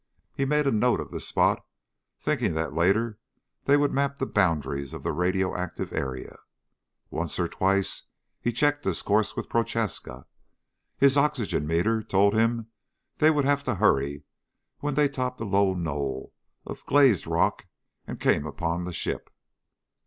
He made a note of the spot thinking that later they would map the boundaries of the radioactive area. Once or twice he checked his course with Prochaska. His oxygen meter told him they would have to hurry when they topped a low knoll of glazed rock and came upon the ship.